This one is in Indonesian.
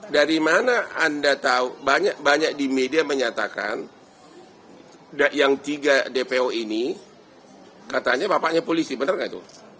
dari mana anda tahu banyak banyak di media menyatakan yang tiga dpo ini katanya bapaknya polisi benar nggak tuh